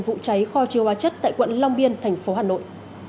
vụ cháy kho chiêu hóa chất tại quận long biên tp hà nội